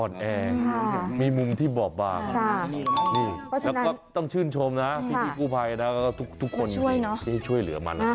ในมุมที่บอกว่านี่แล้วก็ต้องชื่นชมนะพิธีกู้ภัยแล้วก็ทุกคนให้ช่วยเหลือมัน